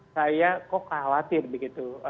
saya kok khawatir begitu